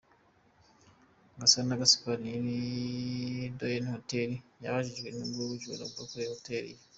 Gasana Gaspard nyiri Dayenu Hotel yababajwe n’ubwo bujura bwakorewe Hotel ye.